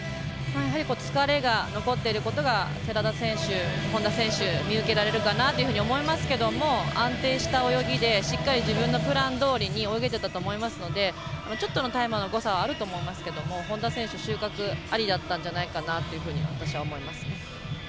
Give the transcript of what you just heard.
疲れが残っていることが寺田選手本多選手、見受けられるかなと思いますけど安定した泳ぎで、しっかり自分のプランどおりに泳げていたと思いますのでちょっとのタイムの誤差はあると思いますけど本多選手、収穫ありだったんじゃないかなというふうに私は思います。